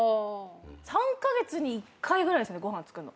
３カ月に１回ぐらいですねご飯作るの。